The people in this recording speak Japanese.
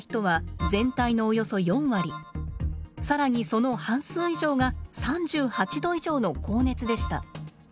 更にその半数以上が３８度以上の高熱でした。